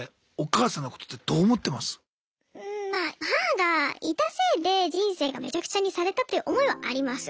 母がいたせいで人生がめちゃくちゃにされたという思いはあります。